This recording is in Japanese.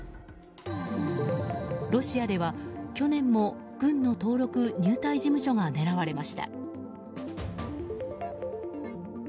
ロシアでは去年も軍の登録・入隊事務所が狙われました。